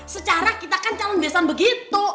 secara kita kan calon besan begitu